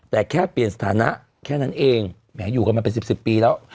แต่แค่เปลี่ยนสถานะแค่นั้นเองแหมอยู่กันมาเป็น๑๐ปีแล้ว